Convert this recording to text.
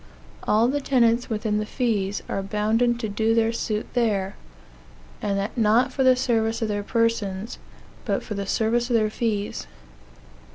All the tenants within the fees are bounden to do their suit there, and that not for the service of their persons, but for the service of their fees.